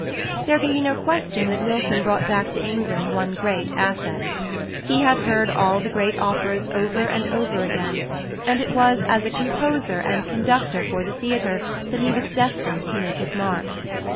There can be no question that Wilson brought back to England one great asset: he had heard all the great operas over and over again, and it was as a composer and conductor for the theatre that he was destined to make his mark.